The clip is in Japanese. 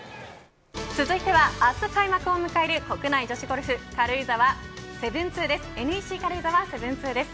続いては明日開幕を迎える国内女子ゴルフＮＥＣ軽井沢７２です。